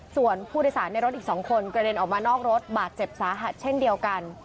ส่วนผู้โดยสารในรถอีก๒คนกระเด็นออกมานอกรถบาดเจ็บสาหัสเช่นเดียวกัน